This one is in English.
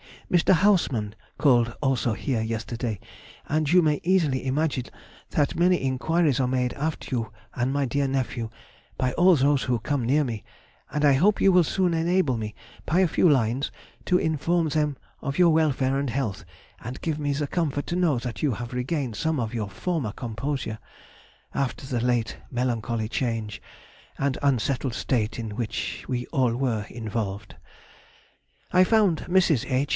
Mr. Hausmann called also here yesterday, and you may easily imagine that many inquiries are made after you and my dear nephew by all those who come near me, and I hope you will soon enable me, by a few lines, to inform them of your welfare and health, and give me the comfort to know that you have regained some of your former composure, after the late melancholy change and unsettled state in which we all were involved. I found Mrs. H.